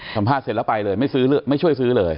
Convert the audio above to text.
สัมภาษณ์เสร็จแล้วไปเลยไม่ซื้อไม่ช่วยซื้อเลย